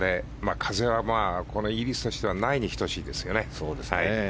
風はこのイギリスとしてはないに等しいですよね。